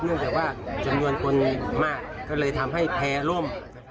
เนื่องจากว่าจำนวนคนมีมากก็เลยทำให้แพร่ร่ม